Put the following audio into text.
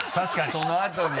そのあとに。